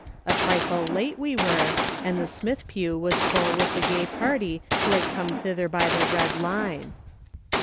A trifle late we were, and the Smith pew was full with the gay party who had come thither by the " red line."